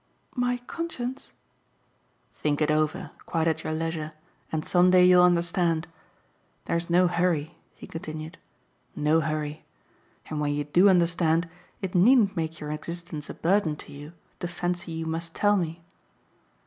"My conscience?" "Think it over quite at your leisure and some day you'll understand. There's no hurry," he continued "no hurry. And when you do understand, it needn't make your existence a burden to you to fancy you must tell me."